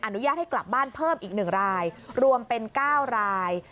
อนุญาตให้กลับบ้านเพิ่มอีก๑รายรวมเป็น๙ราย